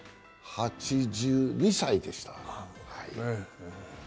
８２歳でした。